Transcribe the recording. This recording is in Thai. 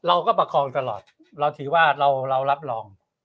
ประคองตลอดเราถือว่าเรารับรอง